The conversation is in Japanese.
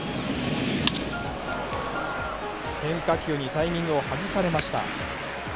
変化球にタイミングを外されました。